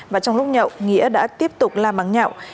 và trong lúc nhậu nghĩa đã tiếp tục la mắng nhậu